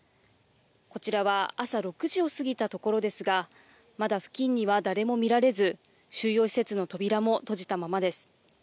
こちらは朝６時を過ぎたところですが、まだ付近には誰も見られず、収容施設の扉も閉じたままです。